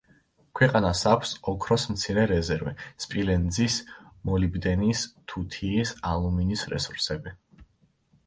ქვეყანას აქვს ოქროს მცირე რეზერვი, სპილენძის, მოლიბდენის, თუთიის, ალუმინის რესურსები.